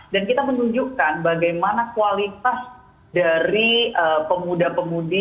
dan kita menunjukkan bagaimana kualitas dari pemuda pemudi